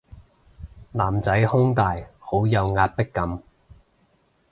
男仔胸大好有壓迫感